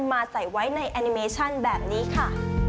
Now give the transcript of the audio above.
มาใส่ไว้ในแอนิเมชั่นแบบนี้ค่ะ